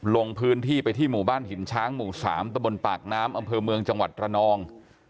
ลงพื้นที่ไปที่หมู่บ้านหินช้างหมู่๓ตะบนปากน้ำอำเภอเมืองจังหวัดระนอง